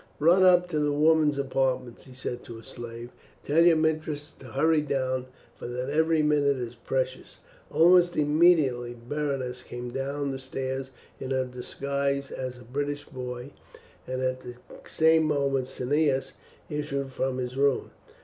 "Run up to the women's apartments," he said to a slave, "and tell your mistress to hurry down, for that every minute is precious." Almost immediately Berenice came down the stairs in her disguise as a British boy, and at the same moment Cneius issued from his room.